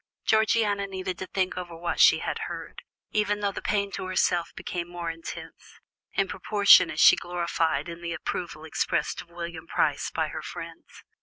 Georgiana needed to think over what she had heard, even though the pain to herself became more intense, in proportion as she gloried in the approval expressed of William Price by her friends.